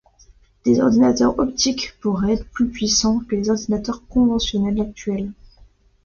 Des ordinateurs optiques pourraient être plus puissants que les ordinateurs conventionnels actuels.